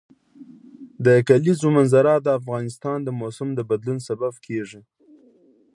د کلیزو منظره د افغانستان د موسم د بدلون سبب کېږي.